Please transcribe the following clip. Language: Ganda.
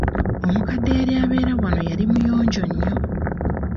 Omukadde eyali abeera wano yali muyonjo nnyo.